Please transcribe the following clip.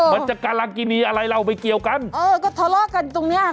มันจะการากินีอะไรเราไม่เกี่ยวกันเออก็ทะเลาะกันตรงเนี้ยค่ะ